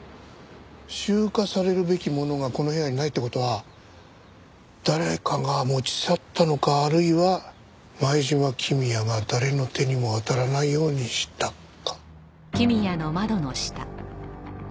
集荷されるべきものがこの部屋にないって事は誰かが持ち去ったのかあるいは前島公也が誰の手にも渡らないようにしたか。